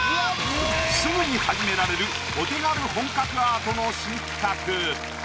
すぐに始められるお手軽本格アートの新企画。